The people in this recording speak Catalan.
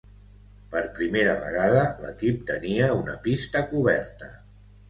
Per primera vegada, l'equip tenia una pista coberta.